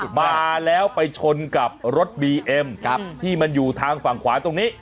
มาแล้วไปชนกับรถบีเอ็มที่มันอยู่ทางฝั่งขวาตรงนี้